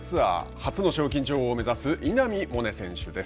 初の賞金女王を目指す稲見萌寧選手です。